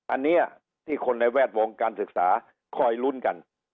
อันนี้ที่คนในแวดวงการศึกษาคอยลุ้นกัน